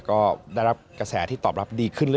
ก็ได้รับกระแสที่ตอบรับดีขึ้นเรื่อย